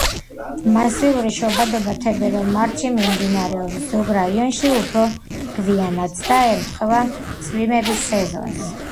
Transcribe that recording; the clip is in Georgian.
მასიური შობადობა თებერვალ-მარტში მიმდინარეობს, ზოგ რაიონში უფრო გვიანაც, და ემთხვევა წვიმების სეზონს.